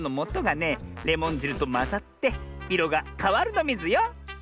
レモンじるとまざっていろがかわるのミズよ！